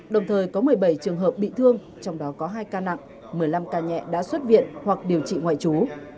đồng thời có một mươi bảy trường hợp bị thương trong đó có hai ca nặng một mươi năm ca nhẹ đã xuất viện hoặc điều trị ngoại trú